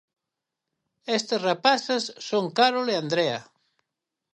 Estas rapazas son Carol e Andrea.